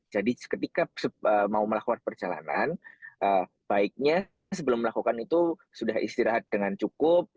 jadi ketika mau melakukan perjalanan baiknya sebelum melakukan itu sudah istirahat dengan cukup